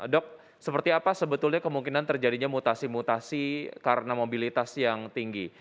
dok seperti apa sebetulnya kemungkinan terjadinya mutasi mutasi karena mobilitas yang tinggi